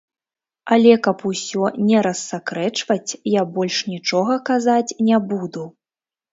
Але, каб усё не рассакрэчваць я больш нічога казаць не буду.